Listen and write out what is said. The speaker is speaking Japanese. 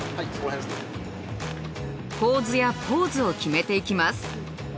構図やポーズを決めていきます。